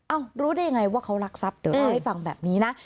รู้ได้ยังไงว่าเขารักทรัพย์เดี๋ยวเล่าให้ฟังแบบนี้นะ